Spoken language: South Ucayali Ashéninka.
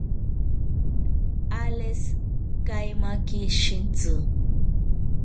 Alex, kaimaki shintzi